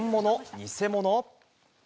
偽物？